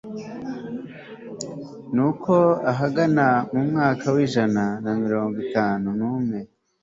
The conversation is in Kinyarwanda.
nuko ahagana mu mwaka w'ijana na mirongo itanu n'umwe